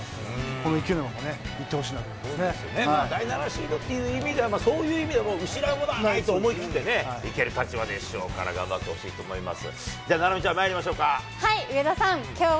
この勢いのまま、いってほしいな第７シードという意味では、そういう意味ではもう、失うものはないと思っていける立場でしょうから、頑張ってほしいと思います。